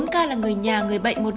bốn ca là người nhà người bệnh